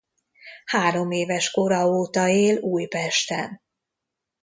Három éves kora óta él Újpesten.